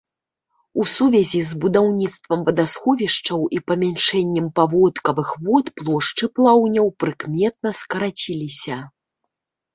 У сувязі з будаўніцтвам вадасховішчаў і памяншэннем паводкавых вод плошчы плаўняў прыкметна скарацілася.